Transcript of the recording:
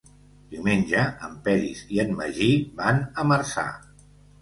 Diumenge en Peris i en Magí van a Marçà.